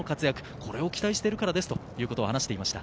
これを期待しているからですと話していました。